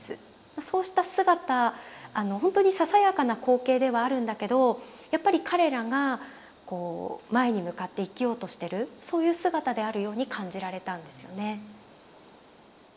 そうした姿ほんとにささやかな光景ではあるんだけどやっぱり彼らがこう前に向かって生きようとしてるそういう姿であるように感じられたんですよね。